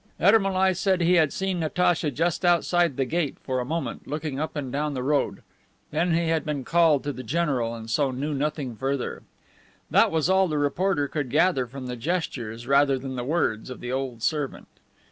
Ermolai said he had seen Natacha just outside the gate for a moment, looking up and down the road. Then he had been called to the general, and so knew nothing further. That was all the reporter could gather from the gestures rather than the words of the old servant.